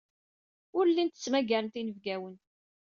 Ur llin ttmagaren inebgawen.